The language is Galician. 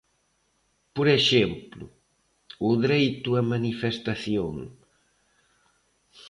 Por exemplo, o dereito a manifestación.